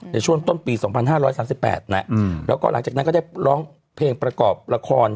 ในช่วงต้นปี๒๕๓๘แล้วก็หลังจากนั้นก็ได้ร้องเพลงประกอบละคร